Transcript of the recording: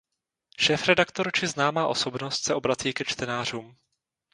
Šéfredaktor či známá osobnost se obrací ke čtenářům.